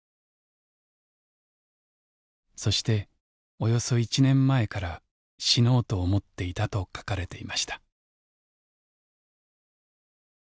そして「およそ１年前から死のうと思っていた」と書かれていました。